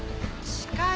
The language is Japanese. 近い？